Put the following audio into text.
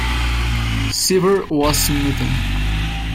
Cibber was smitten.